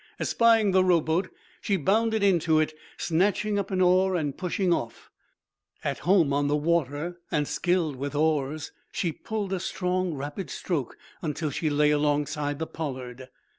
Espying the rowboat, she bounded into it, snatching up an oar and pushing off. At home on the water and skilled with oars, she pulled a strong, rapid stroke until she lay alongside the "Pollard."